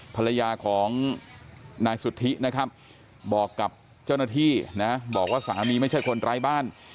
ภรรยาของนายสุธินะครับบอกกับเจ้าหน้าที่นะบอกว่าสามีไม่ใช่คนไร้บ้าน